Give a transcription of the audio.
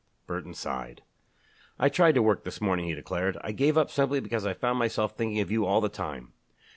Burton sighed. "I tried to work this morning," he declared. "I gave up simply because I found myself thinking of you all the time.